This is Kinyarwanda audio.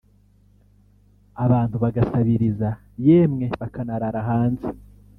abantu bagasabiriza yemwe bakanarara hanze